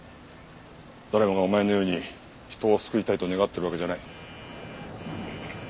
誰もがお前のように人を救いたいと願ってるわけじゃない。